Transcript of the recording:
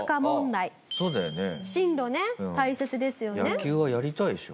野球はやりたいでしょ。